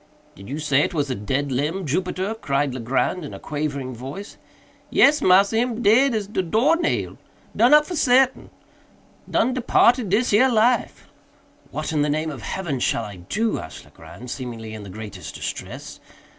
"Did you say it was a dead limb, Jupiter?" cried Legrand in a quavering voice. "Yes, massa, him dead as de door nail—done up for sartain—done departed dis here life." "What in the name heaven shall I do?" asked Legrand, seemingly in the greatest distress.